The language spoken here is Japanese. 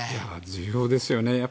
重要ですよね。